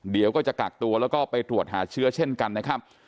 เดี๋ยวก็จะกักตัวแล้วก็ไปตรวจหาเชื้อเช่นกันนะครับ